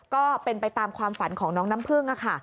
ก็เป็นไปตามความฝันของน้องน้ำพึ่งค่ะ